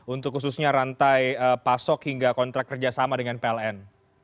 untuk khususnya rantai pasok hingga kontrak kerjasama dengan pln